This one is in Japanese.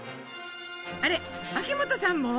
あれ秋元さんも？